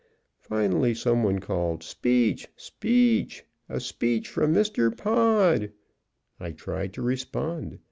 Finally, some one called, "Speech! Speech! A speech from Mr. Pod!" I tried to respond.